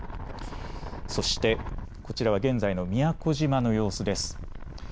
そして、こちらは現在の宮古島の様子です。